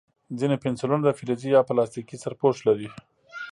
ځینې پنسلونه د فلزي یا پلاستیکي سرپوښ لري.